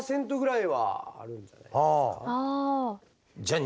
ああ。